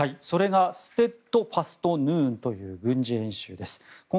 ステッドファスト・ヌーンという軍事演習です。